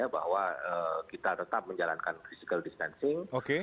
bahwa kita tetap menjalankan physical distancing